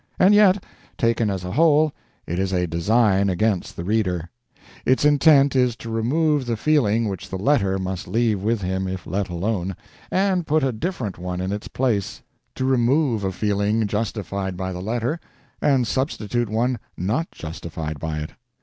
And yet, taken as a whole, it is a design against the reader; its intent is to remove the feeling which the letter must leave with him if let alone, and put a different one in its place to remove a feeling justified by the letter and substitute one not justified by it.